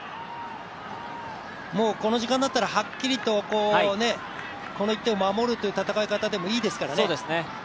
もうこの時間になったらはっきりとこの１点を守るという戦い方でもいいですけどね。